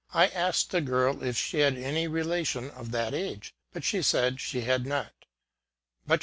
I asked the girl if she had any relation of that age, but she said she had not. But she.